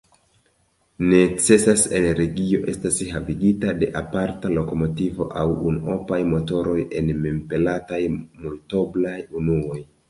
Necesa energio estas havigita de aparta lokomotivo aŭ unuopaj motoroj en mem-pelataj multoblaj unuoj.